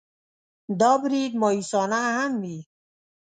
دا برید مأیوسانه هم وي.